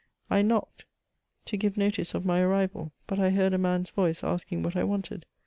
I knocked, to give notice of my arrival, but I heard a man's voice asking what I wanted.